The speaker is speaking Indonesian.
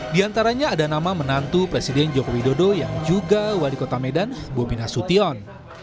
di antaranya ada nama menantu presiden joko widodo yang juga wali kota medan bobi nasution